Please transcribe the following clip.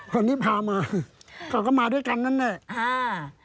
คนที่พามาเขาก็มาด้วยกันนั่นแหละอ่า